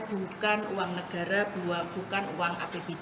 bukan uang negara bukan uang apbd